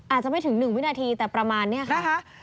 อาจจะไม่ถึง๑วินาทีแต่ประมาณนี้ค่ะ